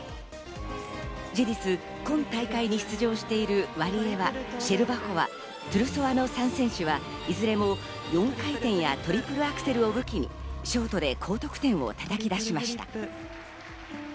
事実、今大会に出場しているワリエワ、シェルバコワ、トゥルソワの３選手はいずれも４回転やトリプルアクセルを武器にショートで高得点をたたき出しました。